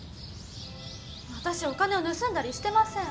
わたしお金をぬすんだりしてません。